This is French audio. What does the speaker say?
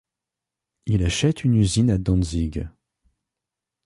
Il achète une usine à Dantzig.